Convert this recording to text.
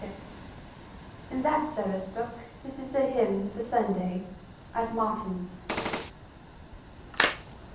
In that service book this is the hymn for Sunday at Matins.